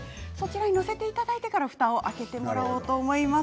載せていただいてからふたを開けていただこうと思います。